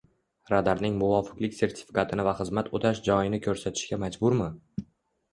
radarning muvofiqlik sertifikatini va xizmat o‘tash joyini ko‘rsatishga majburmi?